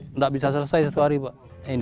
tidak bisa selesai satu hari pak